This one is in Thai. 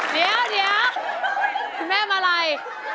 เดี๋ยวคุณแม่มาอะไร